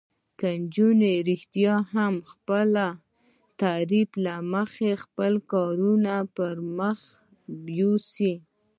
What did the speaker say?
که انجوګانې رښتیا هم د خپل تعریف له مخې خپل کارونه پرمخ یوسي.